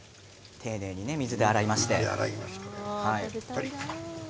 丁寧に水で洗いまして。